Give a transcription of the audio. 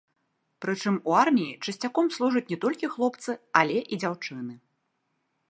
Прычым, у арміі часцяком служаць не толькі хлопцы, але і дзяўчыны.